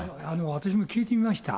私も聞いてみました、